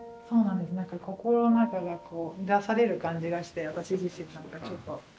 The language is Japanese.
心の中が乱される感じがして私自身なんかちょっと。